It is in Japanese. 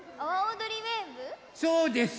そうです。